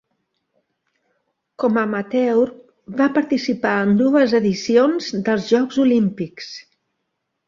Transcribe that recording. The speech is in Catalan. Com amateur va participar en dues edicions dels Jocs Olímpics.